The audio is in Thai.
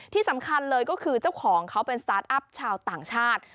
ที่สำคัญเลยก็คือเจ้าของเขาเป็นสตาร์ทอัพชาวต่างชาติ